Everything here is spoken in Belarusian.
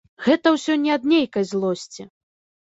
Гэта ўсё не ад нейкай злосці.